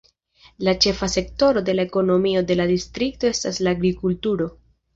La ĉefa sektoro de la ekonomio de la distrikto estas la agrikulturo.